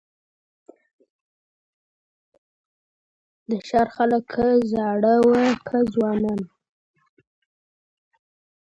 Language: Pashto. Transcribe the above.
د ښار خلک که زاړه وه که ځوانان وه